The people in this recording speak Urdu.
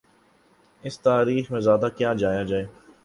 اس تاریخ میں زیادہ کیا جایا جائے۔